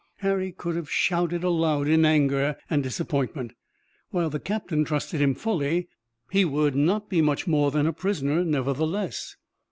Harry could have shouted aloud in anger and disappointment. While the captain trusted him fully, he would not be much more than a prisoner, nevertheless.